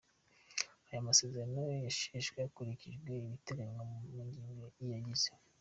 Ayo masezerano yasheshwe hakurikijwe ibiteganywa mu ngingo ziyagize”.